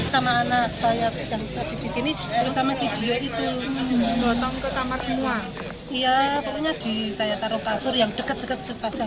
semua bersih sama anak saya kecantik disini bersama si dia itu menonton ke kamar semua